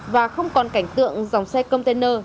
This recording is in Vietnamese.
và không còn cảnh tượng dòng xe container